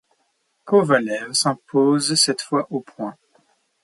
Kovalev s'impose cette fois aux points.